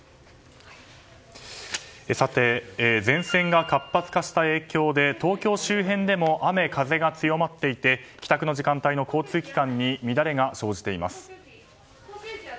前線が活発化した影響で東京周辺でも雨風が強まっていて帰宅の時間帯の交通機関に乱れが生じています。